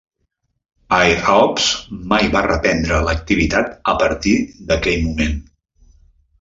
Air Alps mai va reprendre l'activitat a partir d'aquell moment.